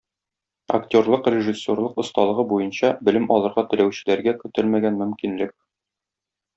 Актерлык-режиссерлык осталыгы буенча белем алырга теләүчеләргә көтелмәгән мөмкинлек.